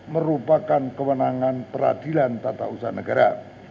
merupakan kewenangan peradilan tata usaha negara